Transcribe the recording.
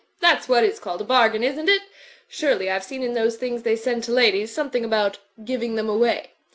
That's what is called a bar gain, isn't it? Surely, I've seen in those things they send to ladies something about 'giving them away.'